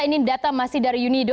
ini data masih dari unido